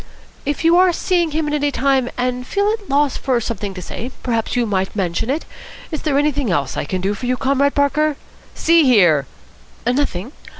"If you are seeing him at any time and feel at a loss for something to say, perhaps you might mention it. Is there anything else I can do for you, Comrade Parker?" "See here " "Nothing?